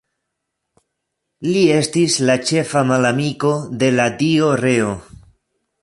Li estis la ĉefa malamiko de la dio Reo.